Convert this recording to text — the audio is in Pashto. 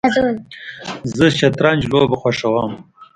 زه شطرنج لوبه خوښوم